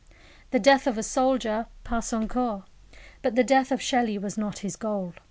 The death of a soldier passe encore. But the death of Shelley was not his goal.